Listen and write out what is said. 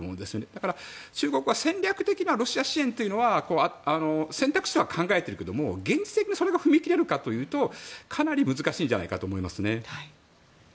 だから中国は戦略的なロシア支援というのは選択肢としては考えているけども現実的にそれに踏み切れるかというとかなり難しいんじゃないかと思いますね。